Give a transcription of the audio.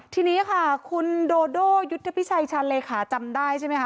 ทีนี้ค่ะคุณโดโดยุทธพิชัยชันเลขาจำได้ใช่ไหมคะ